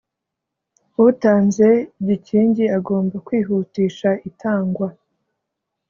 Utanze igikingi agomba kwihutisha itangwa